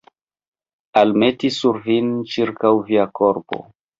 Almeti sur vin, ĉirkaŭ via korpo.